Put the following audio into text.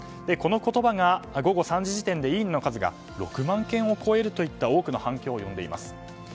この言葉が午後３時時点でいいねの数が６万件を超えるといった大きな反響を呼んでいます。